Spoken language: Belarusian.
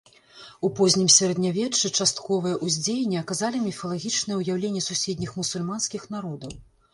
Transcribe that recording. У познім сярэднявеччы частковае ўздзеянне аказалі міфалагічныя ўяўленні суседніх мусульманскіх народаў.